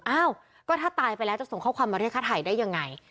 อ้าวก็ถ้าตายไปแล้วจะส่งข้อความมาเรียกฆ่าไทยได้ยังไง